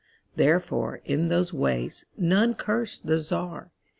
Therefore, in those wastesNone curse the Czar.